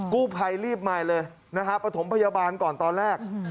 กู้ภัยรีบมาเลยนะฮะประถมพยาบาลก่อนตอนแรก